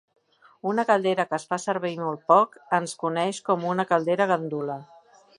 Una caldera que es fa servir molt poc es coneix com una "caldera gandula".